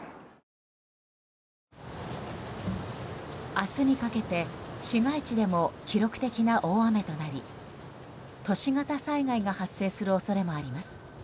明日にかけて市街地でも記録的な大雨となり都市型災害が発生する恐れがあります。